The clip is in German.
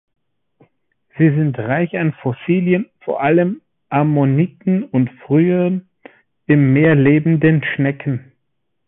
Sie sind reich an Fossilien, vor allem Ammoniten und frühen im Meer lebenden Schnecken.